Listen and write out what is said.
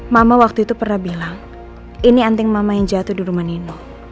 mama waktu itu pernah bilang ini anting mama yang jatuh di rumah nino